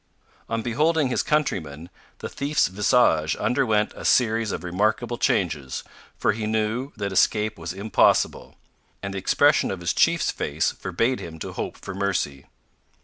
On beholding his countrymen, the thief's visage underwent a series of remarkable changes, for he knew that escape was impossible, and the expression of his chief's face forbade him to hope for mercy.